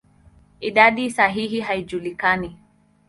Idadi sahihi haijulikani.